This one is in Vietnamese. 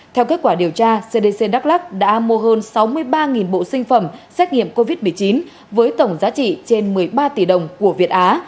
theo kết quả điều tra cdc đắk lắc đã mua hơn sáu mươi ba bộ sinh phẩm xét nghiệm covid một mươi chín với tổng giá trị trên một mươi ba tỷ đồng của việt á